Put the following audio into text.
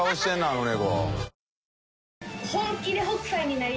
あの猫。